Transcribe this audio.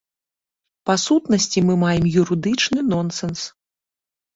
Па-сутнасці мы маем юрыдычны нонсенс.